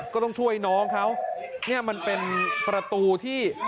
ก็ต้องช่วยน้องเขาเนี่ยมันเป็นประตูที่